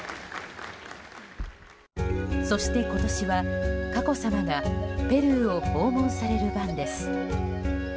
そして今年は、佳子さまがペルーを訪問される番です。